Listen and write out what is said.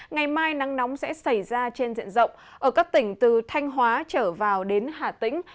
ngày mai nắng nóng sẽ xảy ra trên diện rộng ở các tỉnh từ thanh hóa trở vào đến hà tĩnh